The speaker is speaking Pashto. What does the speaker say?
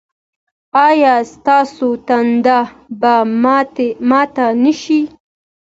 ایا ستاسو تنده به ماته نه شي؟